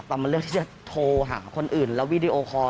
มาเลือกที่จะโทรหาคนอื่นแล้ววีดีโอคอร์